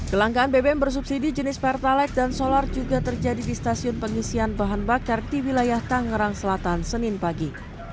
kelangkaan bbm bersubsidi jenis pertalite dan solar juga terjadi di stasiun pengisian bahan bakar di wilayah tangerang selatan senin pagi